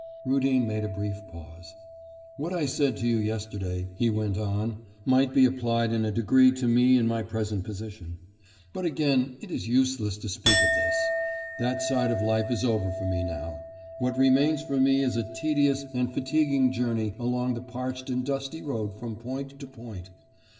Rudin made a brief pause. 'What I said to you yesterday,' he went on, 'might be applied in a degree to me in my present position. But again it is useless to speak of this. That side of life is over for me now. What remains for me is a tedious and fatiguing journey along the parched and dusty road from point to point...